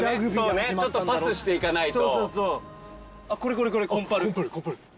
ちょっとパスしていかないと。